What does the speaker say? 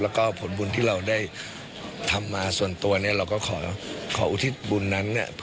แล้วก็ผลบุญที่เราได้ทำมาส่วนตัวเนี่ยเราก็ขออุทิศบุญนั้นเนี่ย